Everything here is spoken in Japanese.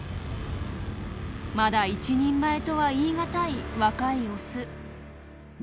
まだ一人前とは言い難い若いオス。